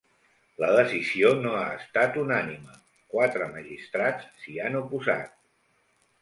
La decisió no ha estat unànime: quatre magistrats s’hi han oposat.